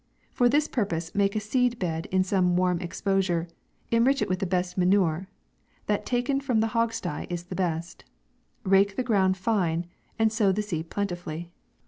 For this purpose make a seed bed in some warm exposure ; enrich it with the best of manure ; that taken from the hog sty is the best ; rake the ground fine, and sow the seed plentifully.